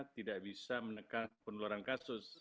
tidak bisa menekan penularan kasus